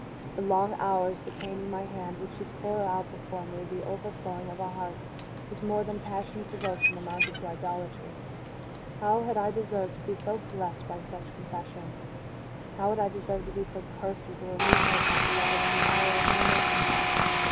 For long hours, detaining my hand, would she pour out before me the overflowing of a heart whose more than passionate devotion amounted to idolatry. How had I deserved to be so blessed by such confessions? how had I deserved to be so cursed with the removal of my beloved in the hour of my making them?